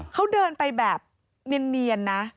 เขาเดินไปแบบเนียนนะ